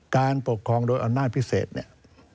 การปกครองโดยอำนาจพิเศษเนี่ย